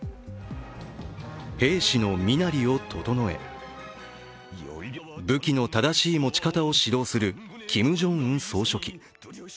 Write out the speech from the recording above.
兵士の身なりを整え、武器の正しい持ち方を指導するキム・ジョンウン総書記。